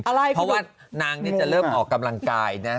เพราะว่านางนี่จะเริ่มออกกำลังกายนะ